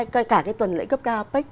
cả cái tuần lễ cấp cao apec